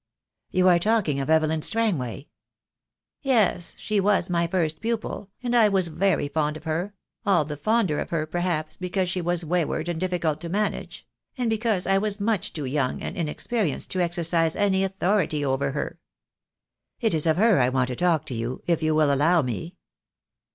"You are talking of Evelyn Strangway!" "Yes, she was my first pupil, and I was very fond of her — all the fonder of her, perhaps, because she was wayward and difficult to manage: and because I was much too young and inexperienced to exercise any authority over her." "It is of her I want to talk to you, if you will allow me."